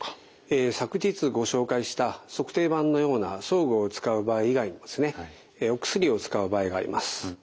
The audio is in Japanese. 昨日ご紹介した足底板のような装具を使う場合以外にもですねお薬を使う場合があります。